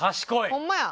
ホンマや。